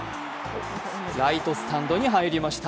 ライトスタンドに入りました。